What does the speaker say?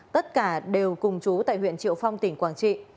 tất cả đều cùng chú tại huyện triệu phong tỉnh quảng trị